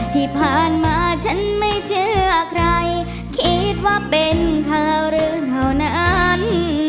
ที่ผ่านมาฉันไม่เชื่อใครคิดว่าเป็นข่าวเรื่องเท่านั้น